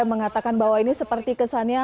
mengatakan bahwa ini seperti kesannya